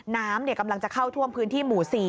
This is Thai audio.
น้ำกำลังจะเข้าท่วมพื้นที่หมู่๔